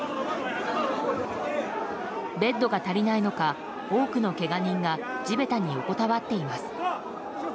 ベッドが足りないのか多くのけが人が地べたに横たわっています。